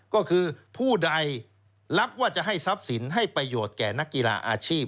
ก็คือผู้ใดรับว่าจะให้ทรัพย์สินให้ประโยชน์แก่นักกีฬาอาชีพ